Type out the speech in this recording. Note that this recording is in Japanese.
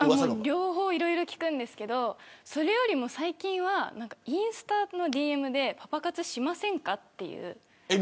両方いろいろ聞くんですがそれよりも最近はインスタのＤＭでパパ活しませんかって。